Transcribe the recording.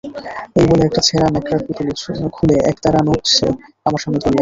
এই বলে একটা ছেঁড়া ন্যাকড়ার পুঁটুলি খুলে একতাড়া নোট সে আমার সামনে ধরলে।